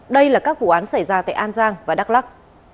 đây là các vụ án xảy ra tại an giang và đắk lắc